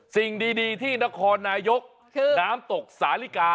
สิ่งดีที่นครนายกน้ำตกสาลิกา